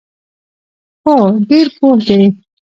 هو، ډیر پوه دي